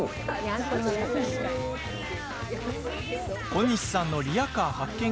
小西さんのリヤカー発見